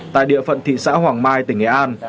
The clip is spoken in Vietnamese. tại địa phận thị xã hoàng mai tỉnh nghệ an